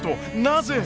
なぜ？